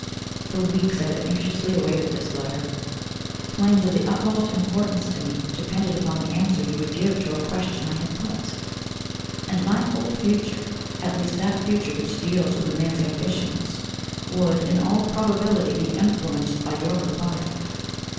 For weeks I have anxiously awaited this letter; plans, of the utmost importance to me, depended upon the answer you would give to a question I had put; and my whole future, at least that future which deals with a man's ambitions, would, in all probability, be influenced by your reply.